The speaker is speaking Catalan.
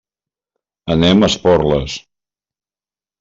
Anem a Esporles.